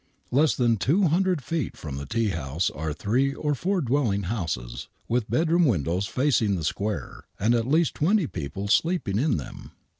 Less than two hundred feet from the tea house are three or four dwelling houses, with bedroom windows facing the square, and at least twenty people sleeping in them.